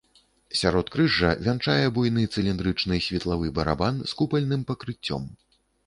Сяродкрыжжа вянчае буйны цыліндрычны светлавы барабан з купальным пакрыццём.